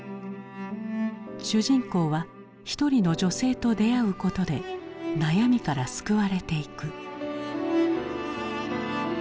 主人公は一人の女性と出会うことで悩みから救われていく。